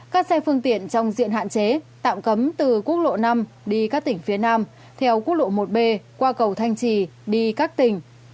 các xe phương tiện trong diện hạn chế tạm cấm từ quốc lộ năm đi các tỉnh phía nam theo quốc lộ một b qua cầu thanh trì đi các tỉnh